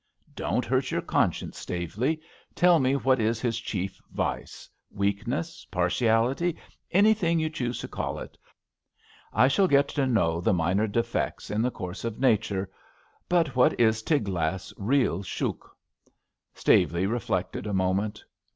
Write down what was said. Don't hurt your conscience, Staveley. Tell me what is his chief vice — ^weak ness, partiality — anything you choose to call it. I shall get to know the minor defects in the course of nature; but what is Tiglath's real shouk? '' Staveley reflected a moment.